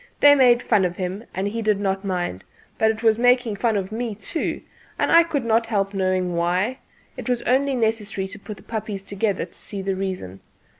They made fun of him, and he did not mind; but it was making fun of me too, and I could not help knowing why; it was only necessary to put the puppies together to see the reason.